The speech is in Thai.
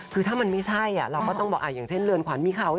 คือถ้ามันไม่ใช่เราก็ต้องบอกอย่างเช่นเรือนขวัญมีเขา